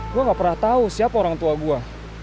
gue gak pernah tahu siapa orang tua gue